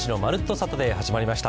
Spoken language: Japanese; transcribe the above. サタデー」始まりました。